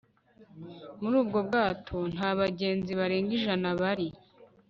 muri ubwo bwato nta bagenzi barenga ijana bari